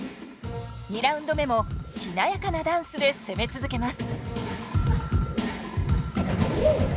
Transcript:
２ラウンド目もしなやかなダンスで攻め続けます。